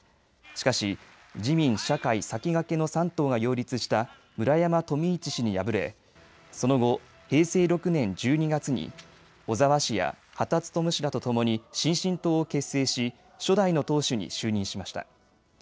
しかし、自民、社会、さきがけの３党が擁立した村山富市氏に敗れその後、平成６年１２月に小沢氏や羽田孜氏らとともに新進党を結成し、初代の党首に就任しました。